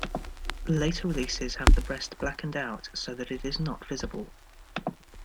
Later releases have the breast blacked out so that it is not visible.